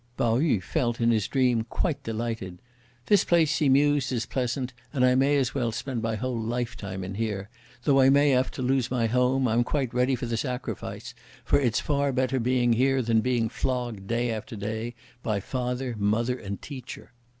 Pao yü felt, in his dream, quite delighted. "This place," he mused, "is pleasant, and I may as well spend my whole lifetime in here! though I may have to lose my home, I'm quite ready for the sacrifice, for it's far better being here than being flogged, day after day, by father, mother, and teacher."